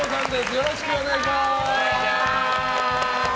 よろしくお願いします。